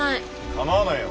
かまわないよ。